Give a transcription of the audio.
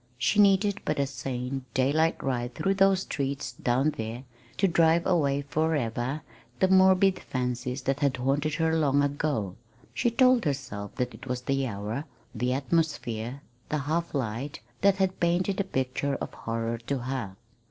She needed but a sane, daylight ride through those streets down there to drive away forever the morbid fancies that had haunted her so long. She told herself that it was the hour, the atmosphere, the half light, that had painted the picture of horror for her.